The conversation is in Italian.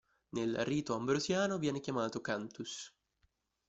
Nel rito ambrosiano viene chiamato "cantus".